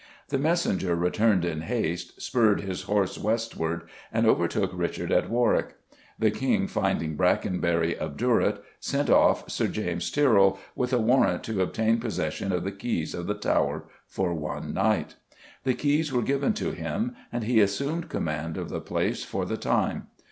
The messenger returned in haste, spurring his horse westward, and overtook Richard at Warwick. The King finding Brackenbury obdurate, sent off Sir James Tyrrell with a warrant to obtain possession of the keys of the Tower for one night. The keys were given to him, and he assumed command of the place for the time.